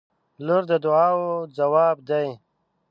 • لور د دعاوو ځواب دی.